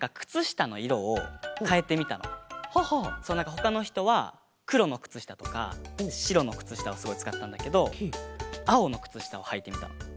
ほかのひとはくろのくつしたとかしろのくつしたをすごいつかってたんだけどあおのくつしたをはいてみたの。